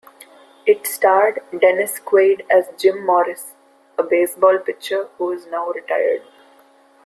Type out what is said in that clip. It starred Dennis Quaid as Jim Morris, a baseball pitcher who is now retired.